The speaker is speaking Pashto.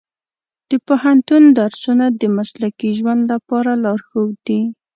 د پوهنتون درسونه د مسلکي ژوند لپاره لارښود دي.